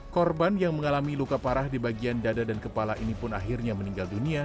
korban yang mengalami luka parah di bagian dada dan kepala ini pun akhirnya meninggal dunia